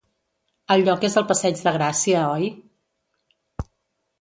El lloc és al Passeig de Gràcia, oi?